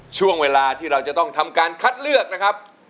ช่วงเวลาที่เราจะต้องทำการคัดเลือกนะครับ